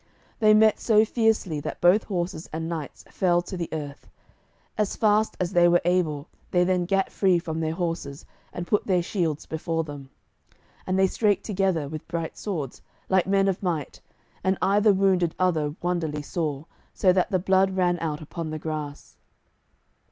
They met so fiercely that both horses and knights fell to the earth. As fast as they were able they then gat free from their horses, and put their shields before them; and they strake together with bright swords, like men of might, and either wounded other wonderly sore, so that the blood ran out upon the grass.